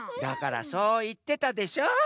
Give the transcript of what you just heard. だからそういってたでしょ。